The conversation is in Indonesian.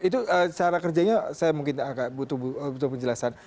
itu cara kerjanya saya mungkin agak butuh penjelasan